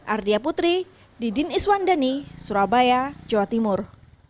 ardia putri didin iswandani surabaya jawa timur